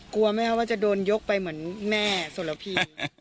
กลัวไหมคะว่าจะโดนยกไปเหมือนแม่สลพี